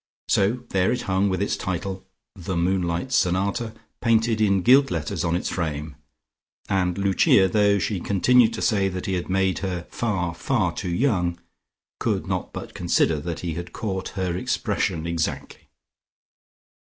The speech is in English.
So there it hung with its title, "The Moonlight Sonata," painted in gilt letters on its frame, and Lucia, though she continued to say that he had made her far, far too young, could not but consider that he had caught her expression exactly....